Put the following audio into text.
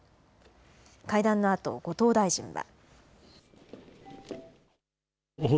会談のあと後藤大臣は。